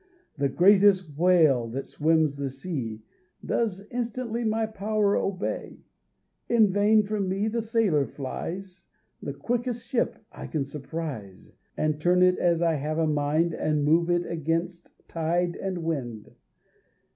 The greatest whale that swims the sea Does instantly my power obey. In vain from me the sailor flies, The quickest ship I can surprise, And turn it as I have a mind, And move it against tide and wind.